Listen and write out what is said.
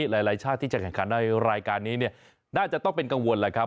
หลายชาติที่จะแข่งขันในรายการนี้น่าจะต้องเป็นกังวลแหละครับ